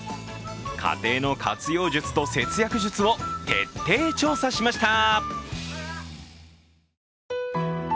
家庭の活用術と節約術を徹底調査しました。